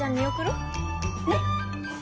ねっ？